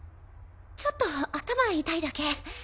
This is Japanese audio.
ちょっと頭痛いだけ。